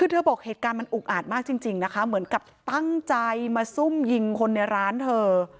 เธอบอกว่าเหตุการณ์มันอุปอาจมากเช่นจริงเหมือนกับตั้งใจมาซุ่มยิงคนในร้านเธอ